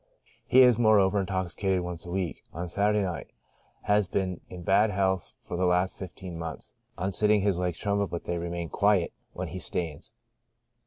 He is, moreover, intoxicated once a week — on Saturday night. Has been in bad health for the last fifteen months. On sitting his legs tremble, but they remain quiet when he stands.